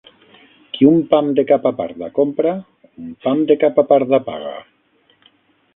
Qui un pam de capa parda compra, un pam de capa parda paga.